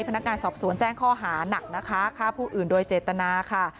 พนักงานสอบสวนแจ้งข้อหานักนะคะฆ่าผู้อื่นโดยเจตนาค่ะ